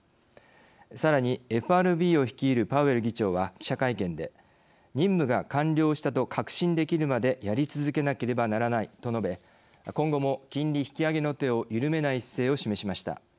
さらにＦＲＢを率いるパウエル議長は記者会見で「任務が完了したと確信できるまでやり続けなければならない」と述べ今後も金利引き上げの手を緩めない姿勢を示しました。